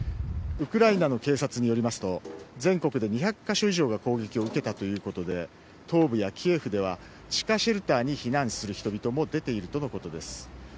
ウクライナの警察によりますと全国で２００カ所以上が攻撃を受けたということで東部やキエフでは地下シェルターに避難する人々も出ているとのことです。